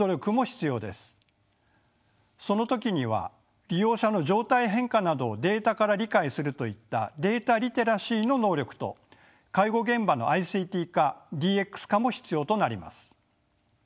その時には利用者の状態変化などをデータから理解するといったデータ・リテラシーの能力と介護現場のＩＣＴ化・ＤＸ化も必要となります。